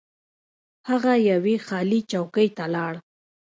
هغه یوې خالي چوکۍ ته لاړ.